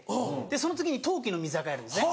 その次に陶器の水あかやるんですね。